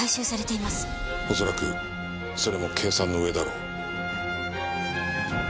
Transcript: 恐らくそれも計算の上だろう。